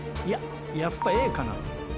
いややっぱＡかな？